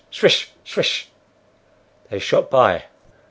Swish! Swish! they shot by.